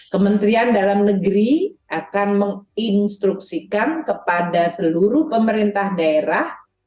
kementerian dalam negeri akan menginstruksikan kepada seluruh pemerintah daerah